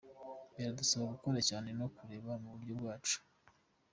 Biradusaba gukora cyane no kureba mu buryo bwacu.